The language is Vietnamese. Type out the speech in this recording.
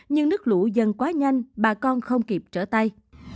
nhưng nước lũ dần quá nhanh bà con không kịp trở tay